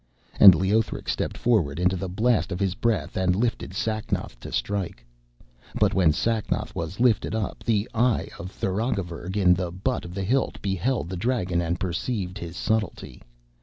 And Leothric stepped forward into the blast of his breath, and lifted Sacnoth to strike. But when Sacnoth was lifted up, the eye of Tharagavverug in the butt of the hilt beheld the dragon and perceived his subtlety.